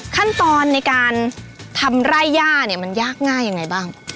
ขั้นตอนในการทำไร่ย่าเนี่ยมันยากง่ายยังไงบ้าง